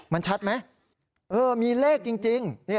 มันชัดไหมมีเลขจริง